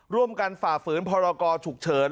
ร่วมกันฝ่าฝืนพรกรฉุกเฉิน